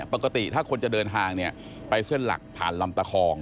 ปกติถ้าคนจะเดินทางเนี่ยไปเส้นหลักผ่านลำตะคอง